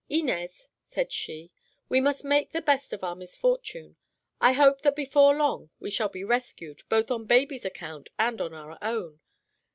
"Inez," said she, "we must make the best of our misfortune. I hope that before long we shall be rescued, both on baby's account and on our own.